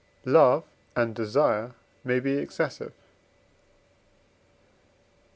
Love and desire may be excessive.